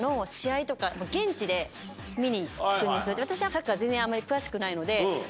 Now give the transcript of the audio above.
私はサッカー全然詳しくないので。